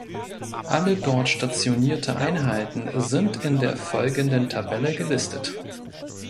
Alle dort stationierte Einheiten sind in der folgenden Tabelle gelistet.